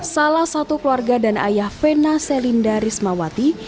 salah satu keluarga dan ayah vena selinda rismawati